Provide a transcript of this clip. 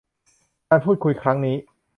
การพูดคุยครั้งนี้